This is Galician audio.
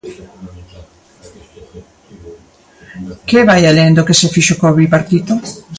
Que vai alén do que se fixo co bipartito.